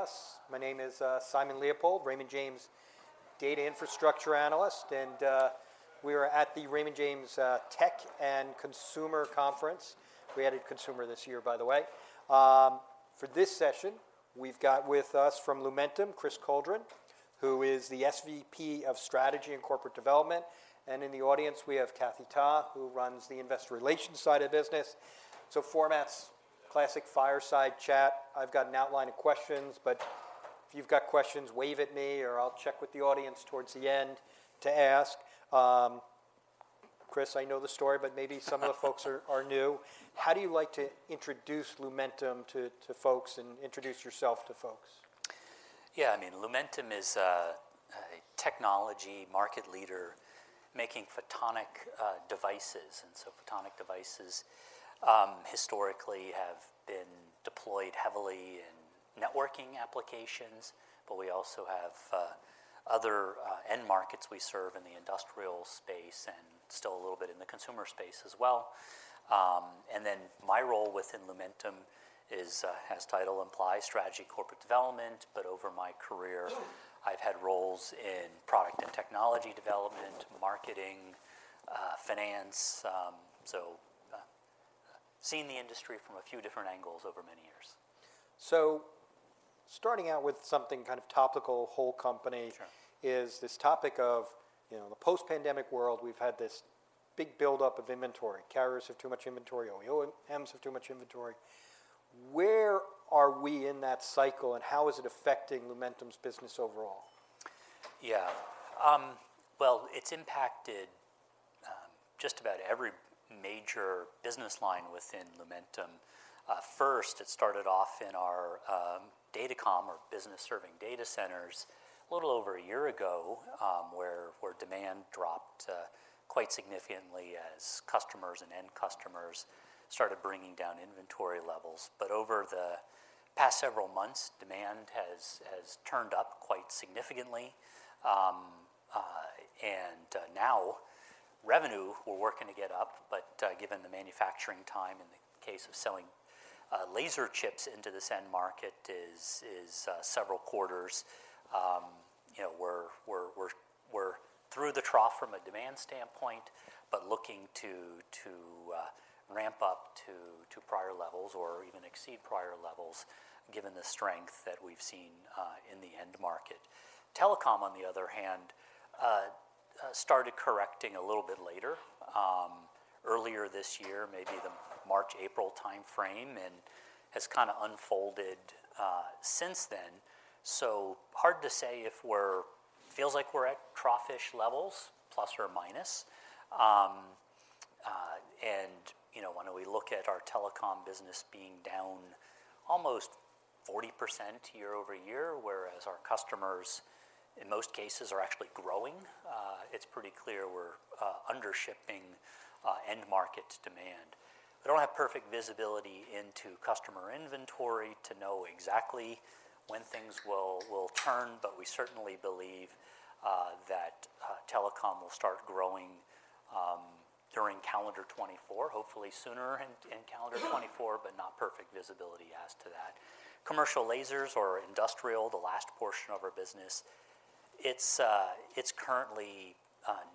us. My name is, Simon Leopold, Raymond James Data Infrastructure Analyst, and, we are at the Raymond James, Tech and Consumer Conference. We added consumer this year, by the way. For this session, we've got with us from Lumentum, Chris Coldren, who is the SVP of Strategy and Corporate Development, and in the audience, we have Kathy Ta, who runs the investor relations side of the business. So format's classic fireside chat. I've got an outline of questions, but if you've got questions, wave at me, or I'll check with the audience towards the end to ask. Chris, I know the story, but maybe some of the folks are new. How do you like to introduce Lumentum to folks, and introduce yourself to folks? Yeah, I mean, Lumentum is a technology market leader making photonic devices. And so photonic devices historically have been deployed heavily in networking applications, but we also have other end markets we serve in the industrial space and still a little bit in the consumer space as well. And then my role within Lumentum is, as title implies, strategy, corporate development, but over my career, I've had roles in product and technology development, marketing, finance. So, seen the industry from a few different angles over many years. So, starting out with something kind of topical, whole company- Sure... is this topic of, you know, the post-pandemic world, we've had this big build-up of inventory. Carriers have too much inventory, OEMs have too much inventory. Where are we in that cycle, and how is it affecting Lumentum's business overall? Yeah. Well, it's impacted just about every major business line within Lumentum. First, it started off in our Datacom business serving data centers a little over a year ago, where demand dropped quite significantly as customers and end customers started bringing down inventory levels. But over the past several months, demand has turned up quite significantly. And now revenue, we're working to get up, but given the manufacturing time in the case of selling laser chips into this end market is several quarters. You know, we're through the trough from a demand standpoint, but looking to ramp up to prior levels or even exceed prior levels, given the strength that we've seen in the end market. Telecom, on the other hand, started correcting a little bit later, earlier this year, maybe the March-April timeframe, and has kinda unfolded since then. So hard to say if we're-- feels like we're at trough-ish levels, plus or minus. And, you know, when we look at our telecom business being down almost 40% year-over-year, whereas our customers, in most cases, are actually growing, it's pretty clear we're under shipping end market demand. We don't have perfect visibility into customer inventory to know exactly when things will turn, but we certainly believe that telecom will start growing during calendar 2024, hopefully sooner in calendar 2024-- but not perfect visibility as to that. Commercial lasers or industrial, the last portion of our business, it's currently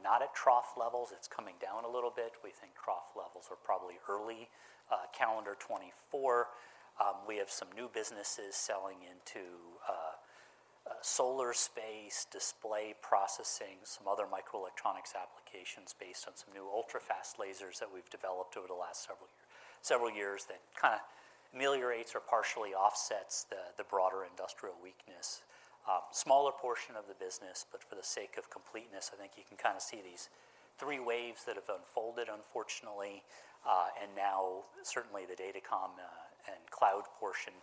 not at trough levels. It's coming down a little bit. We think trough levels are probably early calendar 2024. We have some new businesses selling into solar space, display processing, some other microelectronics applications based on some new ultra-fast lasers that we've developed over the last several years, that kinda ameliorates or partially offsets the broader industrial weakness. Smaller portion of the business, but for the sake of completeness, I think you can kinda see these three waves that have unfolded, unfortunately. And now, certainly, the datacom and cloud portion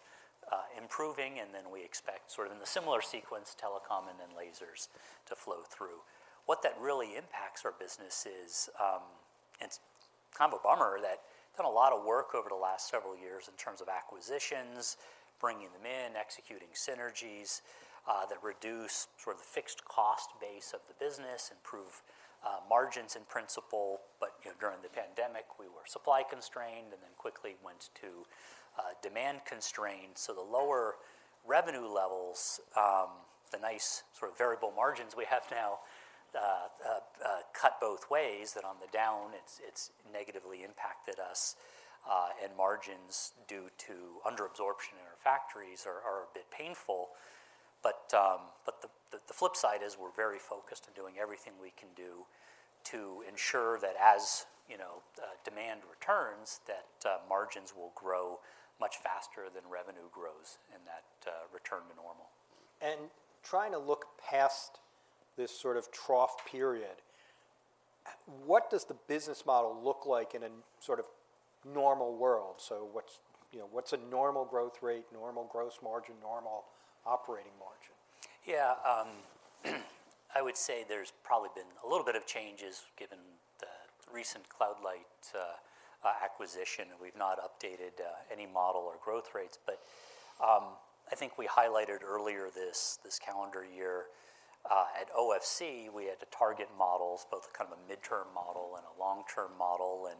improving, and then we expect, sort of in a similar sequence, telecom and then lasers to flow through. What that really impacts our business is, it's kind of a bummer that done a lot of work over the last several years in terms of acquisitions, bringing them in, executing synergies, that reduce sort of the fixed cost base of the business, improve margins in principle. But, you know, during the pandemic, we were supply constrained and then quickly went to demand constrained. So the lower revenue levels, the nice sort of variable margins we have now, cut both ways, that on the down, it's negatively impacted us, and margins due to under absorption in our factories are a bit painful. The flip side is we're very focused on doing everything we can do to ensure that as you know demand returns, that margins will grow much faster than revenue grows in that return to normal. Trying to look past this sort of trough period, what does the business model look like in a sort of normal world? So what's, you know, what's a normal growth rate, normal gross margin, normal operating margin? Yeah, I would say there's probably been a little bit of changes, given the recent Cloud Light acquisition. We've not updated any model or growth rates. But I think we highlighted earlier this calendar year at OFC, we had to target models, both kind of a mid-term model and a long-term model, and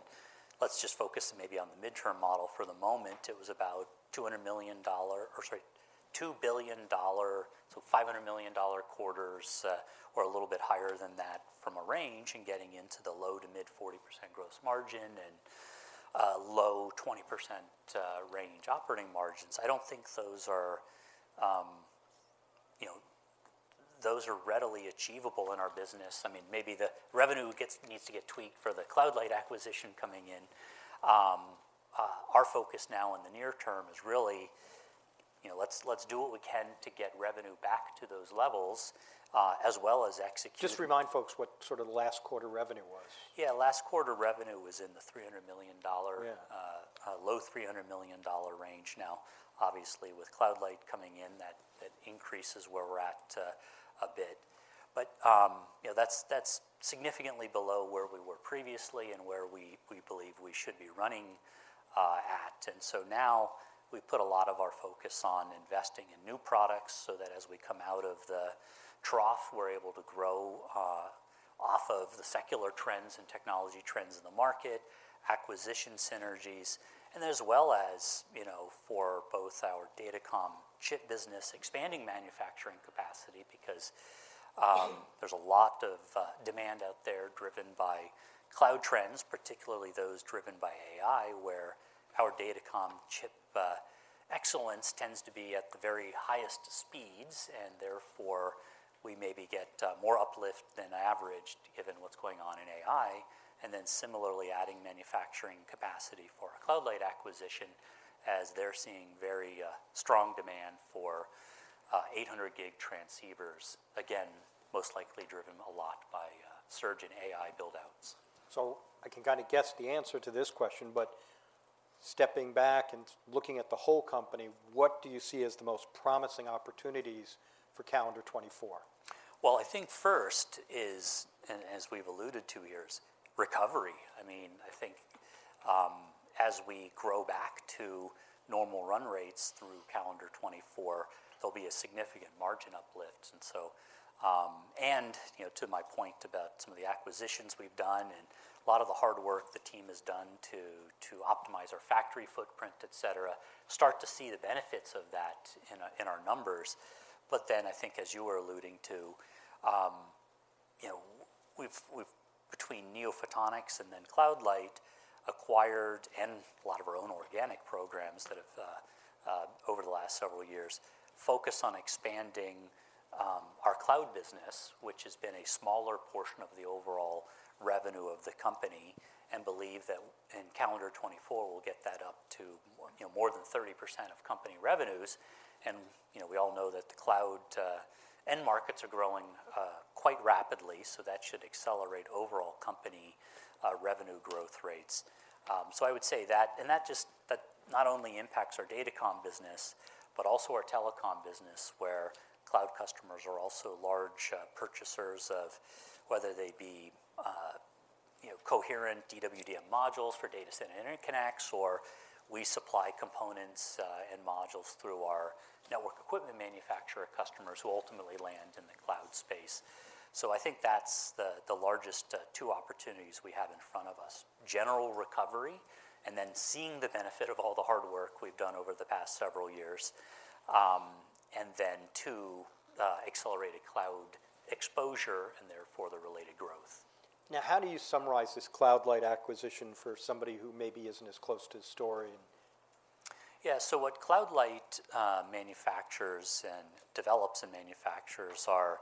let's just focus maybe on the mid-term model for the moment. It was about $200 million—or sorry, $2 billion, so $500 million quarters or a little bit higher than that from a range, and getting into the low- to mid-40% gross margin and low-20% range operating margins. I don't think those are, you know, those are readily achievable in our business. I mean, maybe the revenue needs to get tweaked for the Cloud Light acquisition coming in. Our focus now in the near term is really, you know, let's do what we can to get revenue back to those levels, as well as execute- Just remind folks what sort of last quarter revenue was? Yeah, last quarter revenue was in the $300 million dollar- Yeah... low $300 million range. Now, obviously, with CloudLight coming in, that, that increases where we're at, a bit. But, you know, that's, that's significantly below where we were previously and where we, we believe we should be running, at. And so now, we've put a lot of our focus on investing in new products so that as we come out of the trough, we're able to grow off of the secular trends and technology trends in the market, acquisition synergies, and as well as, you know, for both our datacom chip business, expanding manufacturing capacity, because there's a lot of demand out there driven by cloud trends, particularly those driven by AI, where our datacom chip excellence tends to be at the very highest speeds, and therefore, we maybe get more uplift than average, given what's going on in AI. And then similarly, adding manufacturing capacity for our Cloud Light acquisition, as they're seeing very strong demand for 800G transceivers. Again, most likely driven a lot by surge in AI build-outs. So I can kinda guess the answer to this question, but stepping back and looking at the whole company, what do you see as the most promising opportunities for calendar 2024? Well, I think first is, and as we've alluded to here, is recovery. I mean, I think, as we grow back to normal run rates through calendar 2024, there'll be a significant margin uplift. And so... And, you know, to my point about some of the acquisitions we've done and a lot of the hard work the team has done to optimize our factory footprint, et cetera, start to see the benefits of that in our numbers. But then I think as you were alluding to, you know, we've, between NeoPhotonics and then CloudLight, acquired and a lot of our own organic programs that have, over the last several years, focused on expanding, our cloud business, which has been a smaller portion of the overall revenue of the company, and believe that in calendar 2024, we'll get that up to, you know, more than 30% of company revenues. And, you know, we all know that the cloud, end markets are growing, quite rapidly, so that should accelerate overall company, revenue growth rates. So I would say that not only impacts our datacom business, but also our telecom business, where cloud customers are also large purchasers of whether they be, you know, coherent DWDM modules for data center interconnects, or we supply components and modules through our network equipment manufacturer customers who ultimately land in the cloud space. So I think that's the largest two opportunities we have in front of us: general recovery, and then seeing the benefit of all the hard work we've done over the past several years, and then, two, accelerated cloud exposure, and therefore, the related growth. Now, how do you summarize this Cloud Light acquisition for somebody who maybe isn't as close to the story? Yeah, so what CloudLight manufactures and develops and manufactures are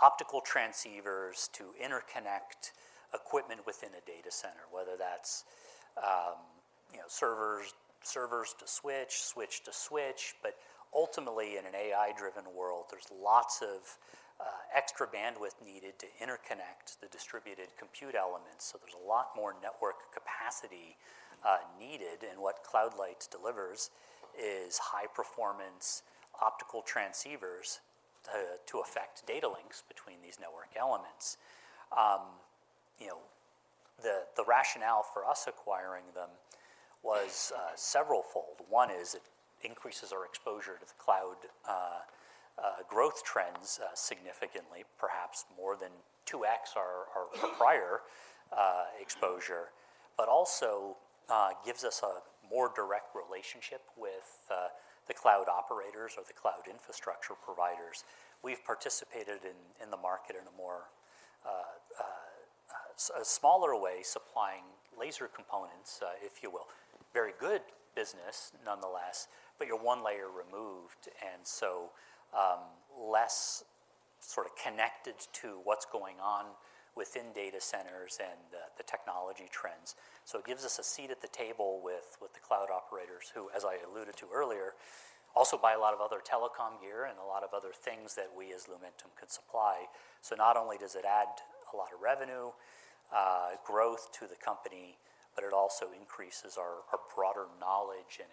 optical transceivers to interconnect equipment within a data center, whether that's, you know, servers, servers to switch, switch to switch. But ultimately, in an AI-driven world, there's lots of extra bandwidth needed to interconnect the distributed compute elements, so there's a lot more network capacity needed. And what CloudLight delivers is high-performance optical transceivers to affect data links between these network elements. You know, the rationale for us acquiring them was severalfold. One is it increases our exposure to the cloud growth trends significantly, perhaps more than 2x our prior exposure, but also gives us a more direct relationship with the cloud operators or the cloud infrastructure providers. We've participated in the market in a smaller way, supplying laser components, if you will. Very good business, nonetheless, but you're one layer removed, and so, less sort of connected to what's going on within data centers and the technology trends. So it gives us a seat at the table with the cloud operators, who, as I alluded to earlier, also buy a lot of other telecom gear and a lot of other things that we as Lumentum could supply. So not only does it add a lot of revenue, growth to the company, but it also increases our broader knowledge and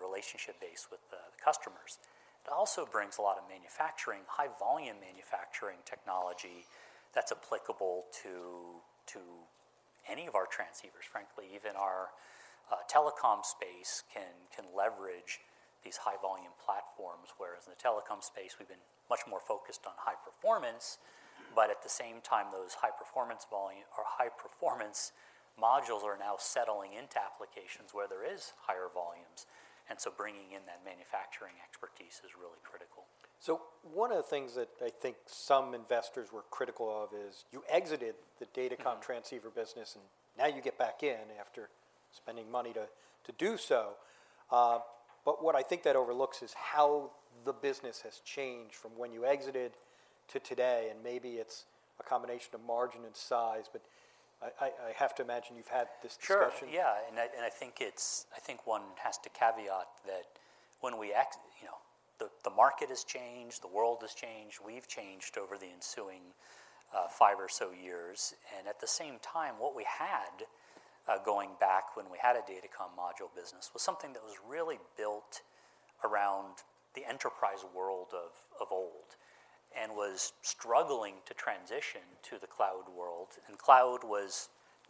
relationship base with the customers. It also brings a lot of manufacturing, high-volume manufacturing technology, that's applicable to any of our transceivers, frankly, even our telecom space can leverage these high-volume platforms. Whereas in the telecom space, we've been much more focused on high performance, but at the same time, those high-performance volume- or high-performance modules are now settling into applications where there is higher volumes, and so bringing in that manufacturing expertise is really critical. One of the things that I think some investors were critical of is you exited the datacom- Mm-hmm - transceiver business, and now you get back in after spending money to do so. But what I think that overlooks is how the business has changed from when you exited to today, and maybe it's a combination of margin and size, but I have to imagine you've had this discussion. Sure, yeah, I think it's. I think one has to caveat that when we you know, the market has changed, the world has changed, we've changed over the ensuing five or so years. And at the same time, what we had going back when we had a datacom module business, was something that was really built around the enterprise world of old and was struggling to transition to the cloud world. And cloud was,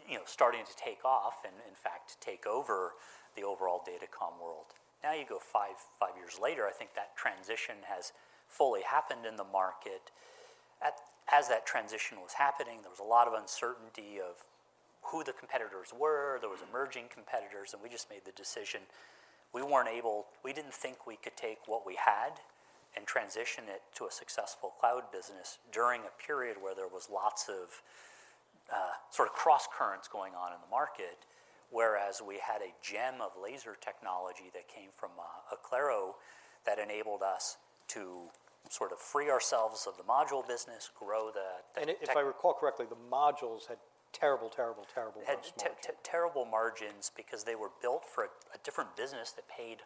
you know, starting to take off and, in fact, take over the overall datacom world. Now, you go five, five years later, I think that transition has fully happened in the market. As that transition was happening, there was a lot of uncertainty of who the competitors were. There was emerging competitors, and we just made the decision, we weren't able, we didn't think we could take what we had and transition it to a successful cloud business during a period where there was lots of, sort of crosscurrents going on in the market, whereas we had a gem of laser technology that came from Oclaro, that enabled us to sort of free ourselves of the module business, grow the te- If I recall correctly, the modules had terrible, terrible, terrible, worse margins. Had terrible margins because they were built for a different business that paid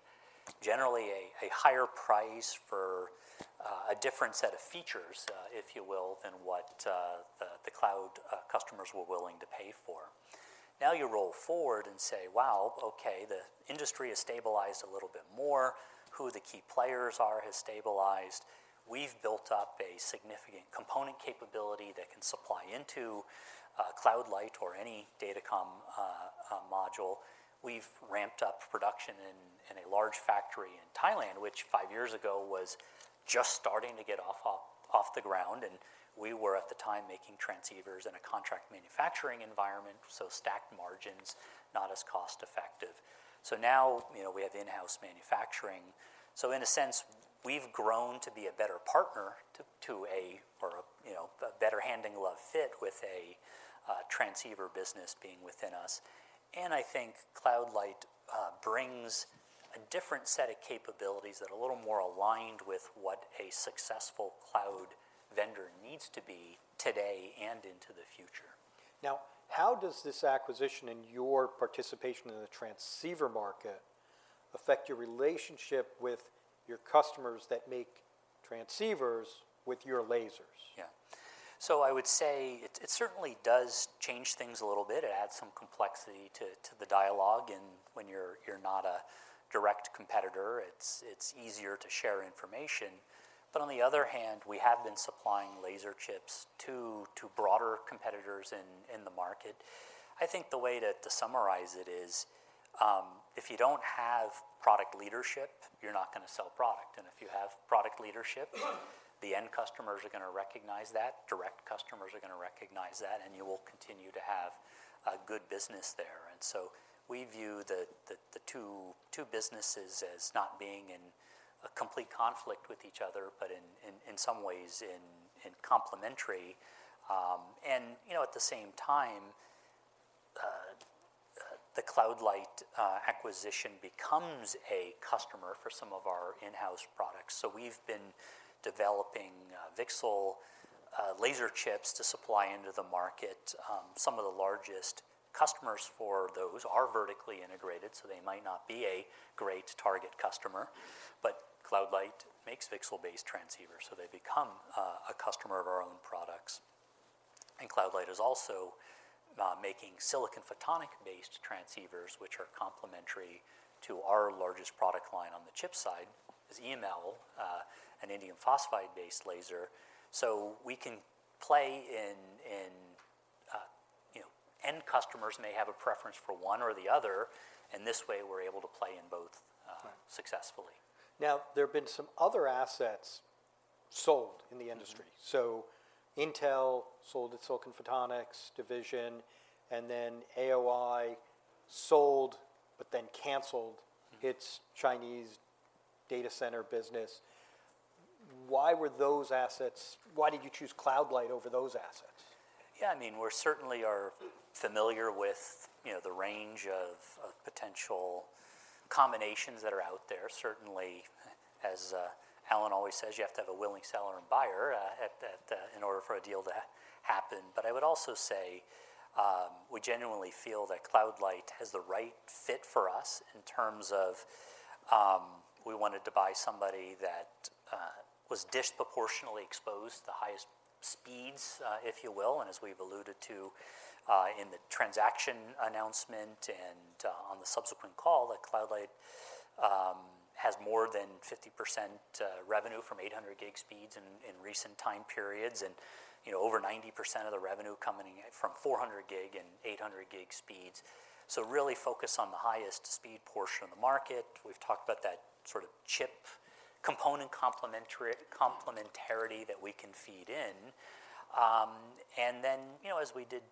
generally a higher price for a different set of features, if you will, than what the cloud customers were willing to pay for. Now, you roll forward and say, "Wow, okay, the industry has stabilized a little bit more. Who the key players are has stabilized." We've built up a significant component capability that can supply into a CloudLight or any datacom module. We've ramped up production in a large factory in Thailand, which five years ago was just starting to get off the ground, and we were, at the time, making transceivers in a contract manufacturing environment, so stacked margins, not as cost-effective. So now, you know, we have in-house manufacturing. So in a sense, we've grown to be a better partner to a, you know, a better hand-in-glove fit with a transceiver business being within us. And I think Cloud Light brings a different set of capabilities that are a little more aligned with what a successful cloud vendor needs to be today and into the future. Now, how does this acquisition and your participation in the transceiver market affect your relationship with your customers that make transceivers with your lasers? Yeah. So I would say it certainly does change things a little bit. It adds some complexity to the dialogue, and when you're not a direct competitor, it's easier to share information. But on the other hand, we have been supplying laser chips to broader competitors in the market. I think the way to summarize it is, if you don't have product leadership, you're not gonna sell product, and if you have product leadership, the end customers are gonna recognize that, direct customers are gonna recognize that, and you will continue to have a good business there. And so we view the two businesses as not being in a complete conflict with each other, but in some ways in complementary. And, you know, at the same time, the CloudLight acquisition becomes a customer for some of our in-house products. So we've been developing VCSEL laser chips to supply into the market. Some of the largest customers for those are vertically integrated, so they might not be a great target customer. But CloudLight makes VCSEL-based transceivers, so they become a customer of our own products. And CloudLight is also making silicon photonic-based transceivers, which are complementary to our largest product line on the chip side, is EML, an indium phosphide-based laser. So we can play in... You know, end customers may have a preference for one or the other, and this way, we're able to play in both. Right... successfully. Now, there have been some other assets sold in the industry. Mm-hmm. So Intel sold its Silicon Photonics division, and then AOI sold, but then canceled- Mm-hmm... its Chinese data center business. Why were those assets-- Why did you choose CloudLight over those assets? Yeah, I mean, we're certainly familiar with, you know, the range of potential combinations that are out there. Certainly, as Alan always says, "You have to have a willing seller and buyer," in order for a deal to happen. But I would also say, we genuinely feel that CloudLight has the right fit for us in terms of, we wanted to buy somebody that was disproportionately exposed to the highest speeds, if you will, and as we've alluded to, in the transaction announcement and on the subsequent call, that CloudLight has more than 50% revenue from 800 gig speeds in recent time periods, and, you know, over 90% of the revenue coming in from 400 gig and 800 gig speeds. So really focused on the highest speed portion of the market. We've talked about that sort of chip component complementarity that we can feed in. And then, you know, as we did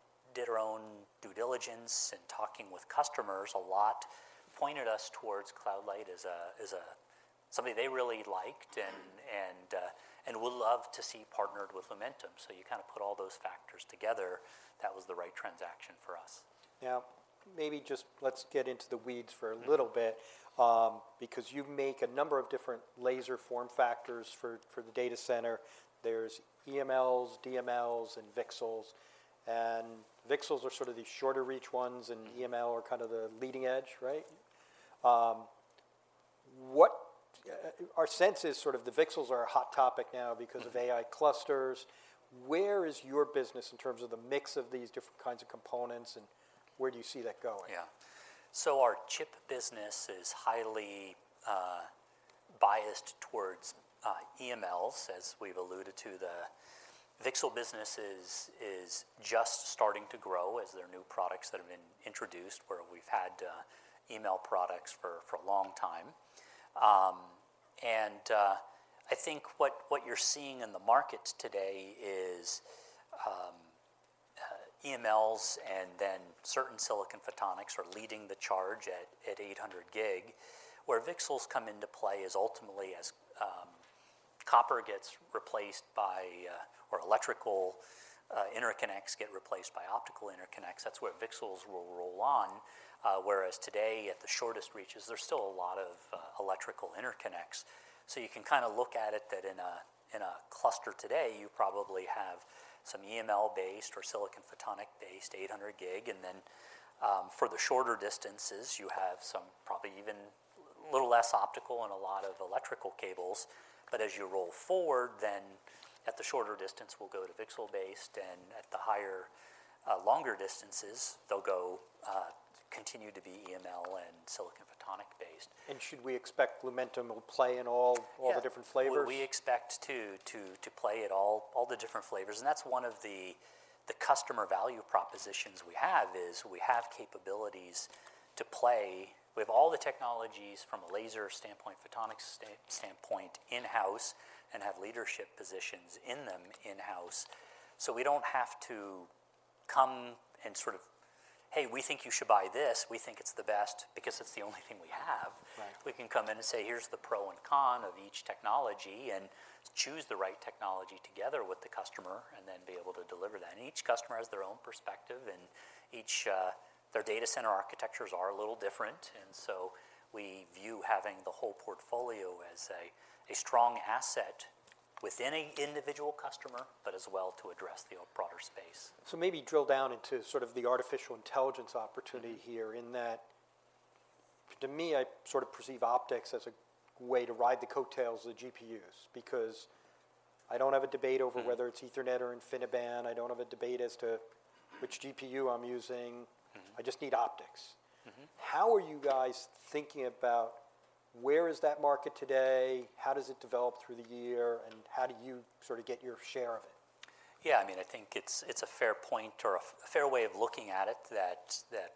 our own due diligence and talking with customers a lot, pointed us towards CloudLight as a something they really liked and would love to see partnered with Lumentum. So you kind of put all those factors together, that was the right transaction for us. Yeah. Maybe just let's get into the weeds for a little bit, because you make a number of different laser form factors for, for the data center. There's EMLs, DMLs, and VCSELs, and VCSELs are sort of the shorter reach ones, and EML are kind of the leading edge, right? Our sense is sort of the VCSELs are a hot topic now because of AI clusters. Where is your business in terms of the mix of these different kinds of components, and where do you see that going? Yeah. So our chip business is highly biased towards EMLs, as we've alluded to. The VCSEL business is just starting to grow as there are new products that have been introduced, where we've had EML products for a long time. I think what you're seeing in the market today is EMLs and then certain silicon photonics are leading the charge at 800 gig. Where VCSELs come into play is ultimately as copper gets replaced by or electrical interconnects get replaced by optical interconnects, that's where VCSELs will roll on. Whereas today, at the shortest reaches, there's still a lot of electrical interconnects. So you can kinda look at it that in a cluster today, you probably have some EML-based or silicon photonics-based 800G, and then, for the shorter distances, you have some probably even a little less optical and a lot of electrical cables. But as you roll forward, then at the shorter distance, we'll go to VCSEL-based, and at the higher, longer distances, they'll continue to be EML and silicon photonics-based. Should we expect Lumentum will play in all- Yeah... all the different flavors? Well, we expect to play at all the different flavors, and that's one of the customer value propositions we have, is we have capabilities to play. We have all the technologies from a laser standpoint, photonic standpoint, in-house, and have leadership positions in them in-house. So we don't have to come and sort of, "Hey, we think you should buy this. We think it's the best because it's the only thing we have. Right. We can come in and say, "Here's the pro and con of each technology," and choose the right technology together with the customer, and then be able to deliver that. Each customer has their own perspective, and each, their data center architectures are a little different. So we view having the whole portfolio as a strong asset with any individual customer, but as well to address the broader space. Maybe drill down into sort of the artificial intelligence opportunity. Mm-hmm ...here in that, to me, I sort of perceive optics as a way to ride the coattails of the GPUs, because I don't have a debate over- Mm-hmm... whether it's Ethernet or InfiniBand, I don't have a debate as to which GPU I'm using. Mm-hmm. I just need optics. Mm-hmm. How are you guys thinking about where is that market today, how does it develop through the year, and how do you sort of get your share of it? Yeah, I mean, I think it's, it's a fair point or a, a fair way of looking at it, that, that,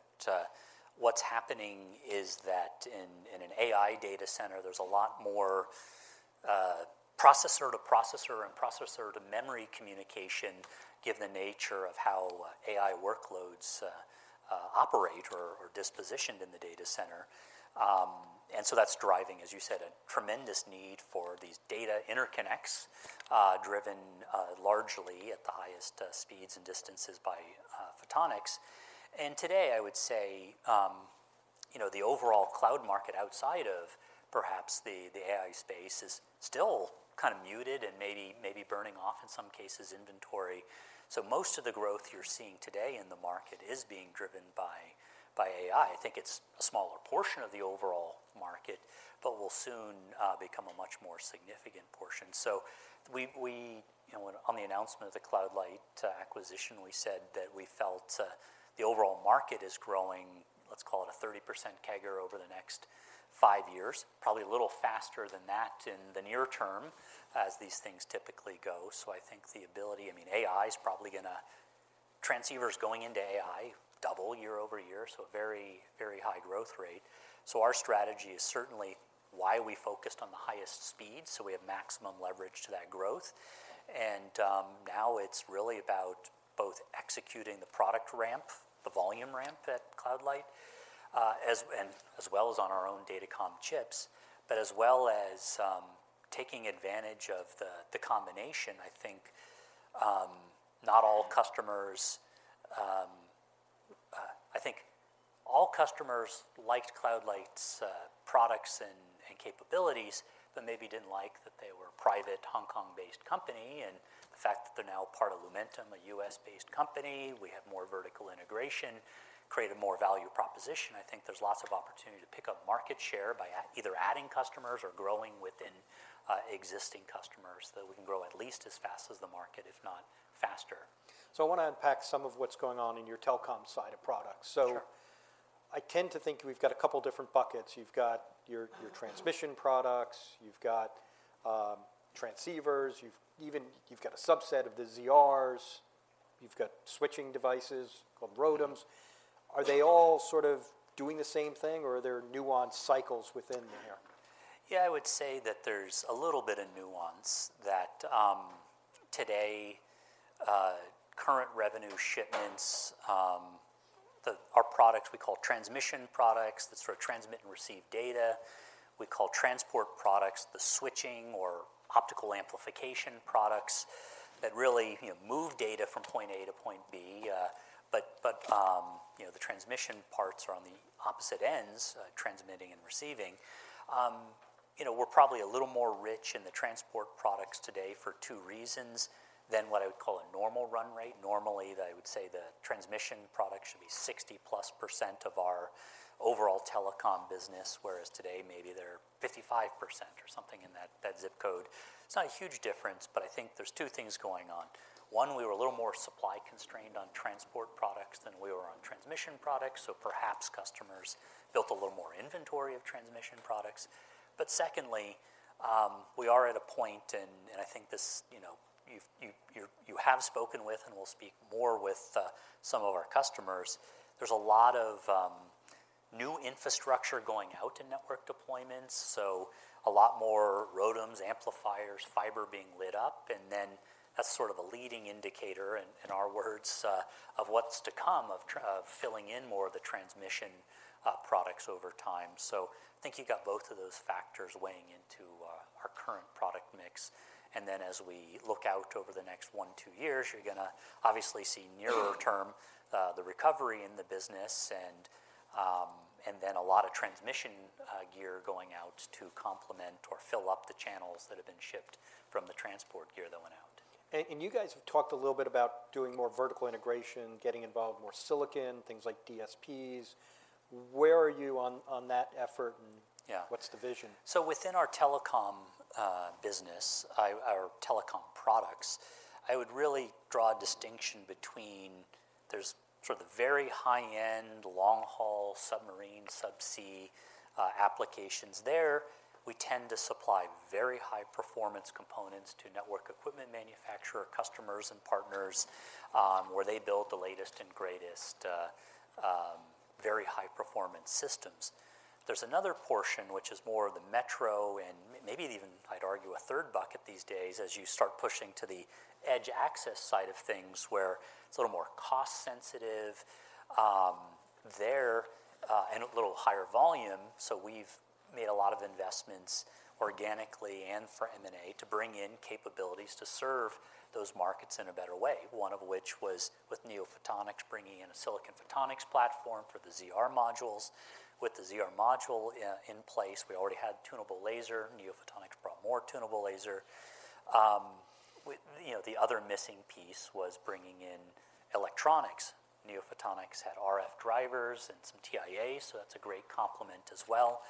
what's happening is that in, in an AI data center, there's a lot more, processor-to-processor and processor-to-memory communication, given the nature of how AI workloads, operate or, or dispositioned in the data center. And so that's driving, as you said, a tremendous need for these data interconnects, driven, largely at the highest, speeds and distances by, photonics. And today, I would say, you know, the overall cloud market outside of perhaps the, the AI space is still kind of muted and maybe, maybe burning off, in some cases, inventory. So most of the growth you're seeing today in the market is being driven by, by AI. I think it's a smaller portion of the overall market, but will soon become a much more significant portion. So we, you know, when, on the announcement of the CloudLight acquisition, we said that we felt the overall market is growing, let's call it a 30% CAGR over the next five years. Probably a little faster than that in the near term, as these things typically go. So I think the ability. I mean, AI's probably gonna transceivers going into AI double year over year, so a very, very high growth rate. So our strategy is certainly why we focused on the highest speed, so we have maximum leverage to that growth. And now it's really about both executing the product ramp, the volume ramp at CloudLight, as well as on our own datacom chips. But as well as taking advantage of the combination, I think all customers liked Cloud Light's products and capabilities, but maybe didn't like that they were a private Hong Kong-based company. And the fact that they're now part of Lumentum, a U.S.-based company, we have more vertical integration, create a more value proposition. I think there's lots of opportunity to pick up market share by either adding customers or growing within existing customers, so that we can grow at least as fast as the market, if not faster.... So I want to unpack some of what's going on in your telecom side of products. Sure. So I tend to think we've got a couple different buckets. You've got your, your transmission products, you've got, transceivers, you've even got a subset of the ZRs, you've got switching devices called ROADMs. Are they all sort of doing the same thing, or are there nuanced cycles within there? Yeah, I would say that there's a little bit of nuance, that today, current revenue shipments, our products we call transmission products, that sort of transmit and receive data. We call transport products the switching or optical amplification products that really, you know, move data from point A to point B. But, you know, the transmission parts are on the opposite ends, transmitting and receiving. You know, we're probably a little more rich in the transport products today for two reasons than what I would call a normal run rate. Normally, I would say the transmission products should be 60%+ of our overall telecom business, whereas today, maybe they're 55% or something in that zip code. It's not a huge difference, but I think there's two things going on. One, we were a little more supply-constrained on transport products than we were on transmission products, so perhaps customers built a little more inventory of transmission products. But secondly, we are at a point, and I think this, you know, you have spoken with and will speak more with some of our customers, there's a lot of new infrastructure going out to network deployments, so a lot more ROADMs, amplifiers, fiber being lit up, and then that's sort of a leading indicator, in our words, of what's to come, of filling in more of the transmission products over time. So I think you've got both of those factors weighing into our current product mix. And then, as we look out over the next 1-2 years, you're gonna obviously see nearer term the recovery in the business and, and then a lot of transmission gear going out to complement or fill up the channels that have been shipped from the transport gear that went out. And you guys have talked a little bit about doing more vertical integration, getting involved in more silicon, things like DSPs. Where are you on that effort, and- Yeah... what's the vision? So within our telecom business, our telecom products, I would really draw a distinction between. There's sort of the very high-end, long-haul, submarine, subsea applications there. We tend to supply very high-performance components to network equipment manufacturer customers and partners, where they build the latest and greatest very high-performance systems. There's another portion, which is more of the metro and maybe even, I'd argue, a third bucket these days as you start pushing to the edge access side of things, where it's a little more cost-sensitive there and a little higher volume. So we've made a lot of investments organically and for M&A to bring in capabilities to serve those markets in a better way. One of which was with NeoPhotonics, bringing in a silicon photonics platform for the ZR modules. With the ZR module in place, we already had tunable laser. NeoPhotonics brought more tunable laser. You know, the other missing piece was bringing in electronics. NeoPhotonics had RF drivers and some TIAs, so that's a great complement as well.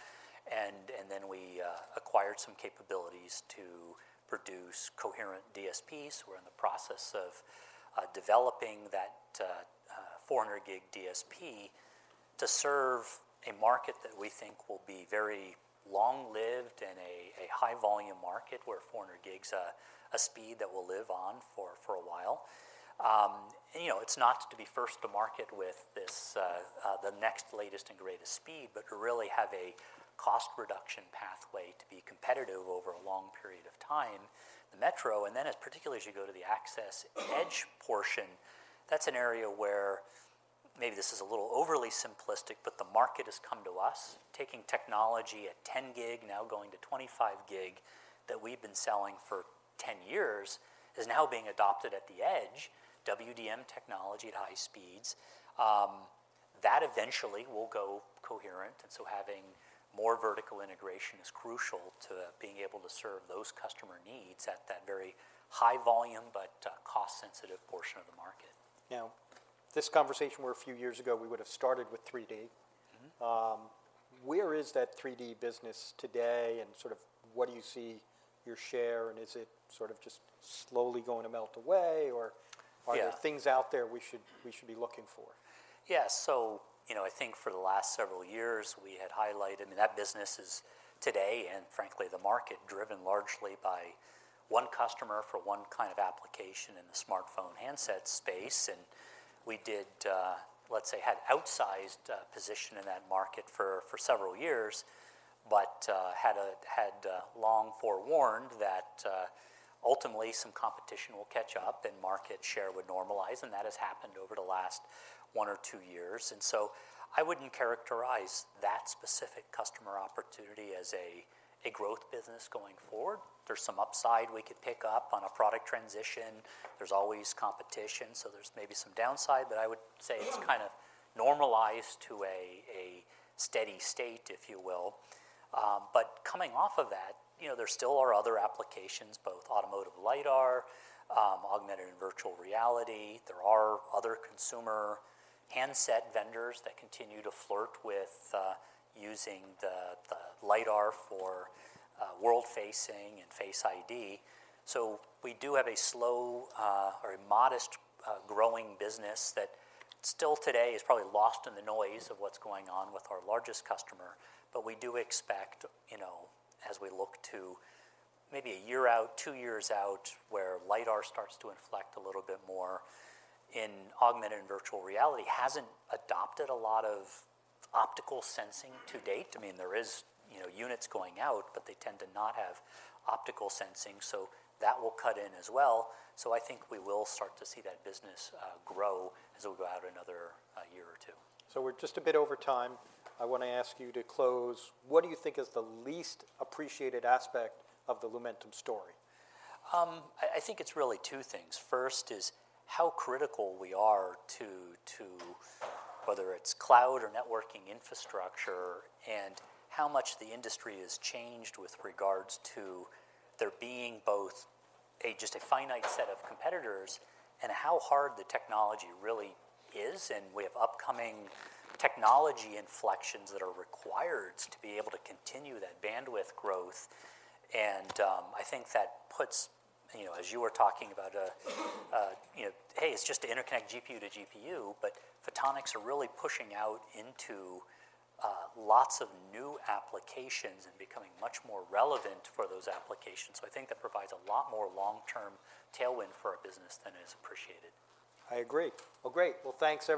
And then we acquired some capabilities to produce coherent DSPs. We're in the process of developing that 400G DSP to serve a market that we think will be very long-lived and a high-volume market, where 400G's a speed that will live on for a while. And you know, it's not to be first to market with this, the next latest and greatest speed, but to really have a cost reduction pathway to be competitive over a long period of time. The metro, and then as particularly as you go to the access edge portion, that's an area where maybe this is a little overly simplistic, but the market has come to us. Taking technology at 10 gig, now going to 25 gig, that we've been selling for 10 years, is now being adopted at the edge, WDM technology at high speeds. That eventually will go coherent, and so having more vertical integration is crucial to being able to serve those customer needs at that very high volume, but cost-sensitive portion of the market. Now, this conversation were a few years ago, we would have started with 3D. Mm-hmm. Where is that 3D business today, and sort of what do you see your share, and is it sort of just slowly going to melt away, or- Yeah... are there things out there we should be looking for? Yeah, so you know, I think for the last several years, we had highlighted, and that business is today, and frankly, the market, driven largely by one customer for one kind of application in the smartphone handset space. And we did, let's say, had outsized position in that market for several years, but had long forewarned that ultimately some competition will catch up and market share would normalize, and that has happened over the last one or two years. And so I wouldn't characterize that specific customer opportunity as a growth business going forward. There's some upside we could pick up on a product transition. There's always competition, so there's maybe some downside, but I would say it's kind of normalized to a steady state, if you will. But coming off of that, you know, there still are other applications, both automotive LiDAR, augmented and virtual reality. There are other consumer handset vendors that continue to flirt with using the LiDAR for world-facing and Face ID. So we do have a slow or a modest growing business that still today is probably lost in the noise of what's going on with our largest customer, but we do expect, you know, as we look to maybe a year out, two years out, where LiDAR starts to inflect a little bit more, and augmented and virtual reality hasn't adopted a lot of optical sensing to date. I mean, there is, you know, units going out, but they tend to not have optical sensing, so that will cut in as well. I think we will start to see that business grow as we go out another year or two. We're just a bit over time. I want to ask you to close. What do you think is the least appreciated aspect of the Lumentum story? I think it's really two things. First is how critical we are to whether it's cloud or networking infrastructure, and how much the industry has changed with regards to there being both just a finite set of competitors, and how hard the technology really is, and we have upcoming technology inflections that are required to be able to continue that bandwidth growth. And I think that puts, you know, as you were talking about, you know, hey, it's just to interconnect GPU to GPU, but photonics are really pushing out into lots of new applications and becoming much more relevant for those applications. So I think that provides a lot more long-term tailwind for our business than is appreciated. I agree. Well, great! Well, thanks a-